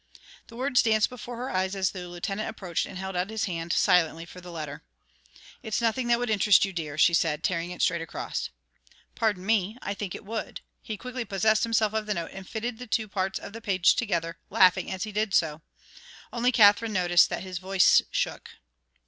The words danced before her eyes as the Lieutenant approached and held out his hand, silently, for the letter. "It's nothing that would interest you, dear," she said, tearing it straight across. "Pardon me, I think it would." He quickly possessed himself of the note and fitted the two parts of the page together, laughing as he did so. Only Katherine noticed that his voice shook.